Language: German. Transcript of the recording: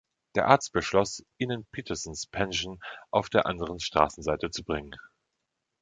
Der Arzt beschloss, ihn in Petersens Pension auf der anderen Straßenseite zu bringen.